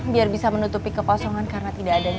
biar bisa menutupi kekosongan karena tidak adanya